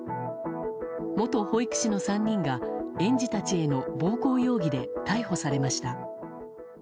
元保育士の３人が園児たちへの暴行容疑で逮捕されました。